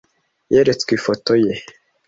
Yeretswe ifoto ye.